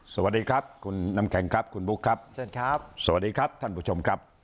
สวัสดีครับคุณน้ำแข็งคุณบุ๊คสวัสดีครับท่านผู้ชม